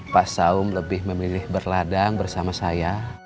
pak saum lebih memilih berladang bersama saya